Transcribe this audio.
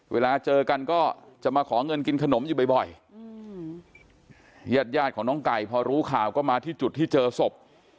เวลาเจอกันก็จะมาขอเงินกินขนมอยู่บ่อยญาติยาดของน้องไก่พอรู้ข่าวก็มาที่จุดที่เจอศพ